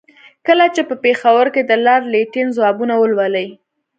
کله چې په پېښور کې د لارډ لیټن ځوابونه ولولي.